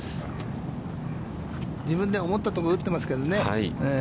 自分で思ったところに打ってますけどね。